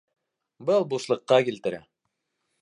Был бушлыҡҡа килтерә.